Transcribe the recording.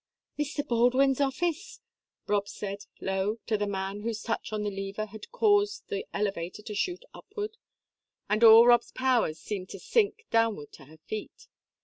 "Mr. Baldwin's office?" Rob said, low, to the man whose touch on the lever had caused the elevator to shoot upward, and all Rob's powers to seem to sink downward to her feet.